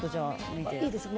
いいですね